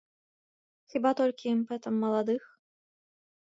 Хіба толькі імпэтам маладых?